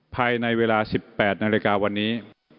ภายในเวลาสิบแปดนาฬิกาวันนี้